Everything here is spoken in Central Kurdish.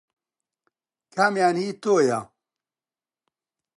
کامیان هی تۆیە؟